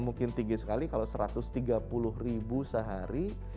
mungkin tinggi sekali kalau satu ratus tiga puluh ribu sehari